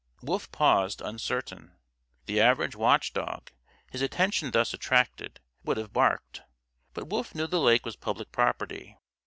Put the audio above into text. Wolf paused, uncertain. The average watchdog, his attention thus attracted, would have barked. But Wolf knew the lake was public property.